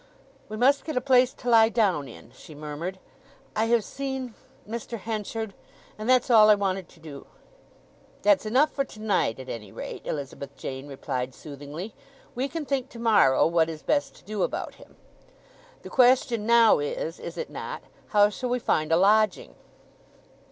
"We must get a place to lie down in," she murmured. "I have seen—Mr. Henchard; and that's all I wanted to do." "That's enough for to night, at any rate," Elizabeth Jane replied soothingly. "We can think to morrow what is best to do about him. The question now is—is it not?—how shall we find a lodging?"